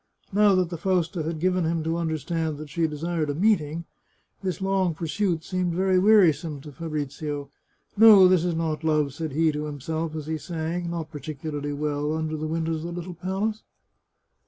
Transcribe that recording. Now that the Fausta had given him to understand that she desired a meeting, this long pursuit seemed very weari some to Fabrizio. " No, this is not love," said he to him self as he sang, not particularly well, under the windows of the little palace.